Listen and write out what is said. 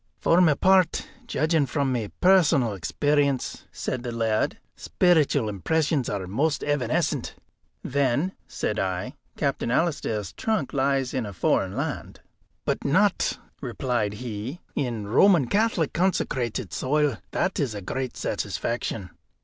"For my part, judging from my personal experience," said the laird, "speeritual impressions are most evanescent." "Then," said I, "Captain Alister's trunk lies in a foreign land." "But not," replied he, "in Roman Catholic consecrated soil. That is a great satisfaction."